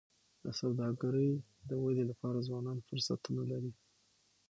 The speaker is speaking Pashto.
د سوداګری د ودي لپاره ځوانان فرصتونه لري.